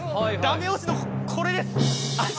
駄目押しのこれです。